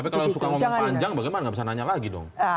kalau mau panjang bagaimana nggak bisa nanya lagi dong